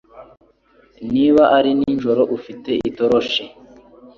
Niba ari nijoro ufite itoroshi,